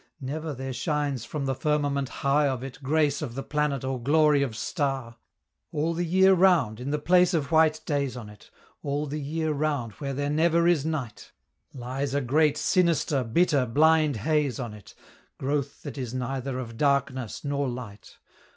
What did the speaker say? Never there shines from the firmament high of it Grace of the planet or glory of star. All the year round, in the place of white days on it All the year round where there never is night Lies a great sinister, bitter, blind haze on it: Growth that is neither of darkness nor light!